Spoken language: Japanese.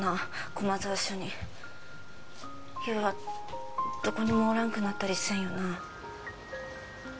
駒沢署に優はどこにもおらんくなったりせんよな？